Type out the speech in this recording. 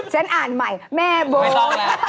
ฉันอ่านใหม่แม่โบ